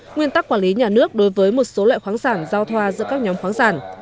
nguyên tắc quản lý nhà nước đối với một số loại khoáng sản giao thoa giữa các nhóm khoáng sản